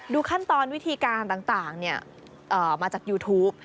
ขั้นตอนวิธีการต่างมาจากยูทูป